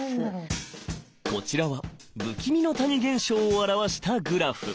こちらは不気味の谷現象を表したグラフ。